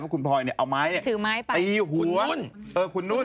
ว่าคุณพลอยเอาไม้เราคนนู้น